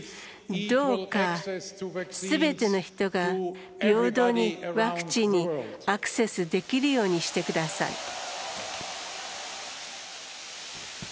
どうか、すべての人が平等にワクチンにアクセスできるようにしてください。